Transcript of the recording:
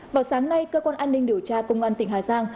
vào sáng nay cơ quan an ninh điều tra công an tỉnh hà giang